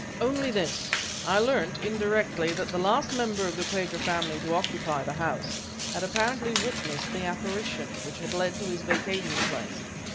"Only this: I learnt, indirectly, that the last member of the Quaker family to occupy the house had apparently witnessed the apparition, which had led to his vacating the place.